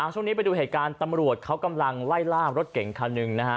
ช่วงนี้ไปดูเหตุการณ์ตำรวจเขากำลังไล่ล่ารถเก่งคันหนึ่งนะฮะ